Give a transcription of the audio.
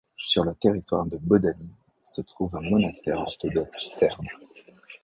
Sur le territoire de Bođani se trouve un monastère orthodoxe serbe.